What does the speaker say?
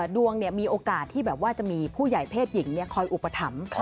ดวงมีโอกาสที่แบบว่าจะมีผู้ใหญ่เพศหญิงคอยอุปถัมภ์